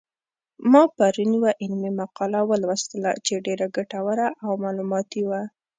ما پرون یوه علمي مقاله ولوستله چې ډېره ګټوره او معلوماتي وه